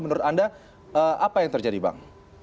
menurut anda apa yang terjadi bang